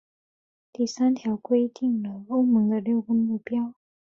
第三条则规定了欧盟的六个目标。